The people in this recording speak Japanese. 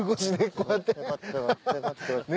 こうやって。